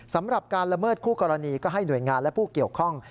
สำหรับการละเมิดคู่กรณีก็ให้หน่วยงานและผู้เกี่ยวข้อง